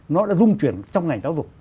nó đã dung chuyển trong ngành giáo dục